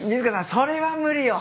それは無理よ。